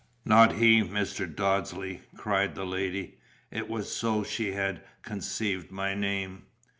"Not he, Mr. Dodsley!" cried the lady it was so she had conceived my name.